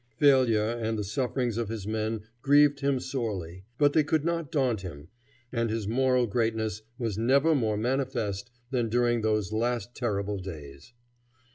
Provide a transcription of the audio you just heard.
Failure and the sufferings of his men grieved him sorely, but they could not daunt him, and his moral greatness was never more manifest than during those last terrible days.